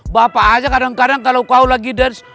bapak aja kadang kadang kalau kau lagi dance